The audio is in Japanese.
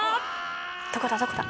「どこだどこだ？」